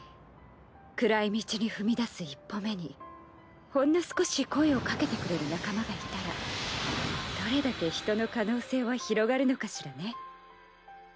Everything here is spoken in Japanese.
暗い道に踏み出す１歩目にほんの少し声を掛けてくれる仲間がいたらどれだけ人の可能性は広がるのかしらね。